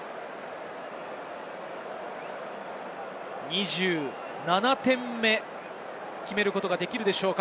２７点目を決めることができるでしょうか？